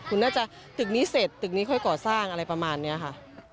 คุณน่าจะตึกนี้เสร็จตึกนี้ค่อยก่อสร้างอะไรประมาณนี้ค่ะ